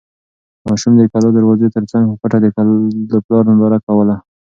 ماشوم د کلا د دروازې تر څنګ په پټه د پلار ننداره کوله.